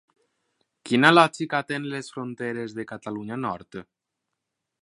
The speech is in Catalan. Quina lògica tenen les fronteres de Catalunya Nord?